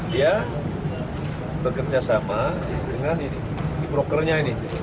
dia bekerja sama dengan ini brokernya ini